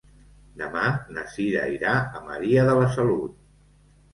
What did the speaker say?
Demà na Cira irà a Maria de la Salut.